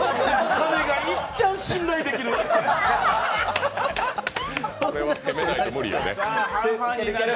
金がいっちゃん信じられる！